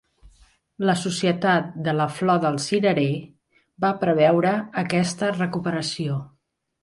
La Societat de la Flor del Cirerer va preveure aquesta recuperació.